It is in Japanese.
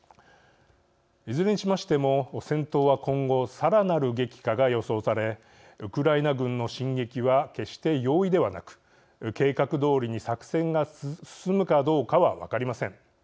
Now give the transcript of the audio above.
いずれにしましても、戦闘は今後、さらなる激化が予想されウクライナ軍の進撃は決して容易ではなく計画どおりに作戦が進むかどうかは分かりません。